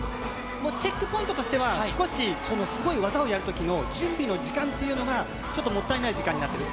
もうチェックポイントとしては、少しすごい技をやるときの準備の時間っていうのが、ちょっともったいない時間になってる。